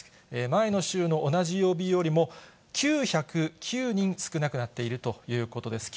前の週の同じ曜日よりも、９０９人少なくなっているということです。